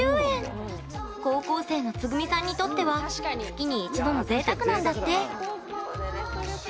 高校生のつぐみさんにとっては月に一度のぜいたくなんだって。